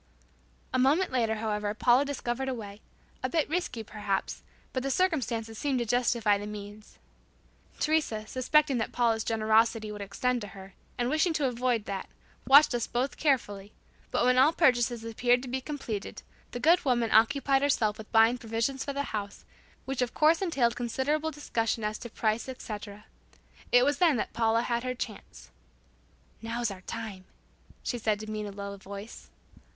A moment later, however, Paula discovered a way, a bit risky perhaps, but the circumstances seemed to justify the means. Teresa, suspecting that Paula's generosity would extend to her, and wishing to avoid that, watched us both carefully; but when all the purchases appeared to be completed, the good woman occupied herself with buying provisions for the house, which of course entailed considerable discussion as to price, etc. It was then that Paula had her chance. "Now's our time," she said to me in a low voice.